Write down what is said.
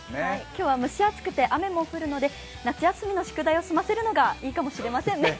今日は蒸し暑くて雨も降るので夏休みの宿題を済ませるのがいいかもしれませんね。